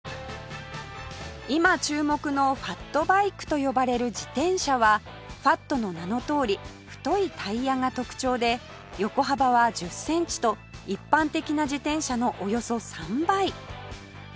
今注目のファットバイクと呼ばれる自転車はファットの名のとおり太いタイヤが特徴で横幅は１０センチと一般的な自転車のおよそ３倍